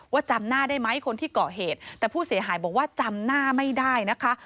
จำหน้าได้ไหมคนที่เกาะเหตุแต่ผู้เสียหายบอกว่าจำหน้าไม่ได้นะคะ